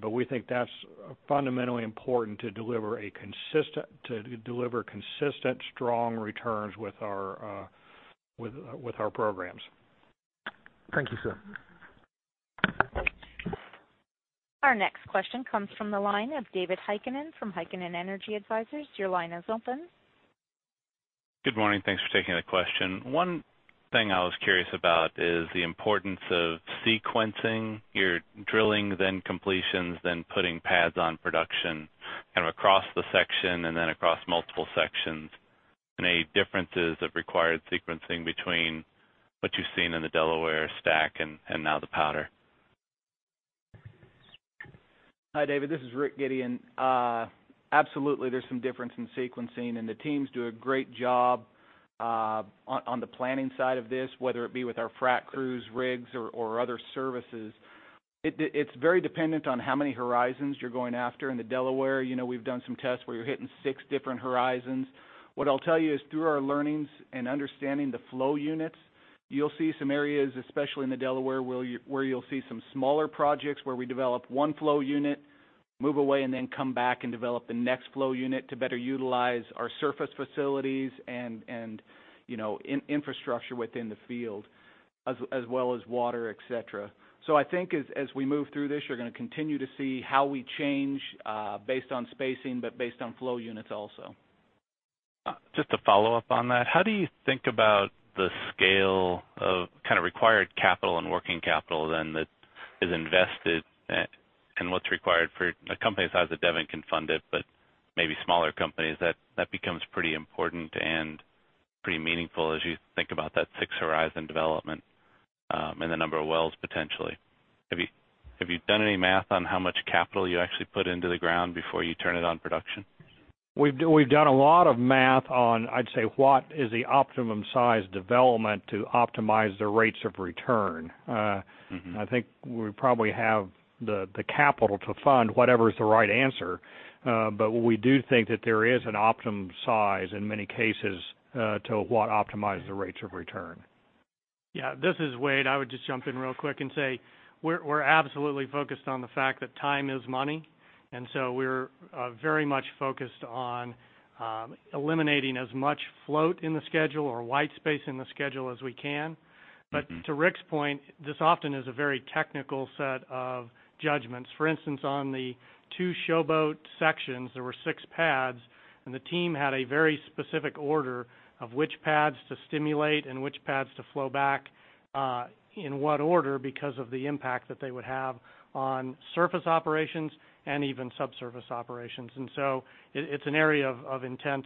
We think that's fundamentally important to deliver consistent, strong returns with our programs. Thank you, sir. Our next question comes from the line of David Heikkinen from Heikkinen Energy Advisors. Your line is open. Good morning. Thanks for taking the question. One thing I was curious about is the importance of sequencing your drilling, then completions, then putting pads on production, kind of across the section and then across multiple sections. Any differences of required sequencing between what you've seen in the Delaware STACK and now the Powder? Hi, David. This is Rick Gideon. Absolutely, there's some difference in sequencing, and the teams do a great job on the planning side of this, whether it be with our frack crews, rigs, or other services. It's very dependent on how many horizons you're going after in the Delaware. We've done some tests where you're hitting six different horizons. What I'll tell you is through our learnings and understanding the flow units, you'll see some areas, especially in the Delaware, where you'll see some smaller projects where we develop one flow unit, move away, and then come back and develop the next flow unit to better utilize our surface facilities and infrastructure within the field, as well as water, et cetera. I think as we move through this, you're going to continue to see how we change, based on spacing, but based on flow units also. Just to follow up on that, how do you think about the scale of required capital and working capital then that is invested and what's required for a company the size of Devon can fund it, but maybe smaller companies that becomes pretty important and pretty meaningful as you think about that six-horizon development, and the number of wells potentially. Have you done any math on how much capital you actually put into the ground before you turn it on production? We've done a lot of math on, I'd say, what is the optimum size development to optimize the rates of return. I think we probably have the capital to fund whatever is the right answer. We do think that there is an optimum size in many cases, to what optimizes the rates of return. Yeah. This is Wade. I would just jump in real quick and say we're absolutely focused on the fact that time is money, and so we're very much focused on eliminating as much float in the schedule or white space in the schedule as we can. To Rick's point, this often is a very technical set of judgments. For instance, on the two Showboat sections, there were six pads, and the team had a very specific order of which pads to stimulate and which pads to flow back, in what order because of the impact that they would have on surface operations and even subsurface operations. It's an area of intense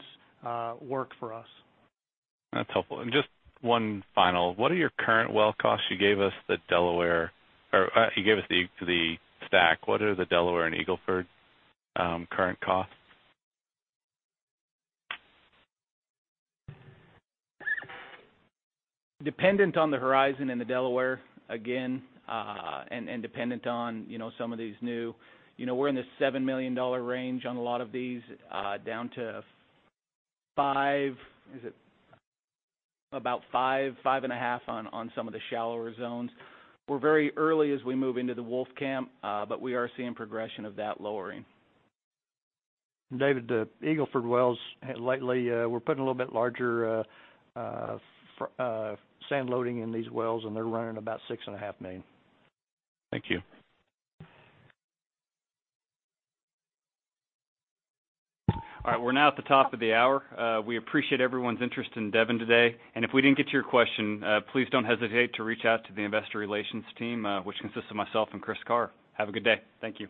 work for us. That's helpful. Just one final, what are your current well costs? You gave us the Delaware, or you gave us the STACK. What are the Delaware and Eagle Ford current costs? Dependent on the horizon in the Delaware, again, dependent on We're in the $7 million range on a lot of these, down to five. Is it about five and a half on some of the shallower zones? We're very early as we move into the Wolfcamp, we are seeing progression of that lowering. David, the Eagle Ford wells lately, we're putting a little bit larger sand loading in these wells, they're running about $6.5 million. Thank you. All right. We're now at the top of the hour. We appreciate everyone's interest in Devon today. If we didn't get to your question, please don't hesitate to reach out to the investor relations team, which consists of myself and Chris Carr. Have a good day. Thank you.